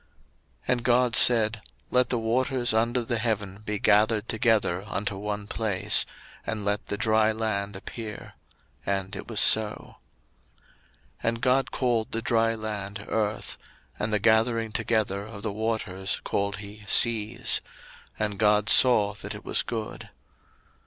01:001:009 And God said, Let the waters under the heaven be gathered together unto one place, and let the dry land appear: and it was so. 01:001:010 And God called the dry land Earth; and the gathering together of the waters called he Seas: and God saw that it was good.